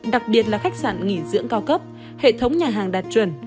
đặc biệt là khách sạn nghỉ dưỡng cao cấp hệ thống nhà hàng đạt chuẩn